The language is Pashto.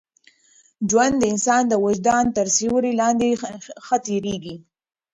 ژوند د انسان د وجدان تر سیوري لاندي ښه تېرېږي.